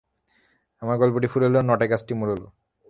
আমার গল্পটি ফুরোলো, নটে গাছটি মুড়োলো।